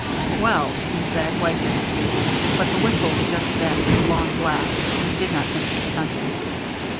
"Well " he said, wiping his feet; but the whistle just then gave a long blast, and he did not finish the sentence.